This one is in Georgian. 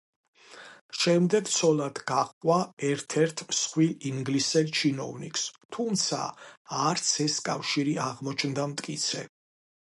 შემდეგ ცოლად გაჰყვა ერთ–ერთ მსხვილ ინგლისელ ჩინოვნიკს, თუმცა არც ეს კავშირი აღმოჩნდა მტკიცე.